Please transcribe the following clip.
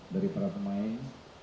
dari para pemain